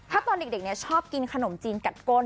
ถ้าตอนเด็กชอบกินขนมจีนกัดก้น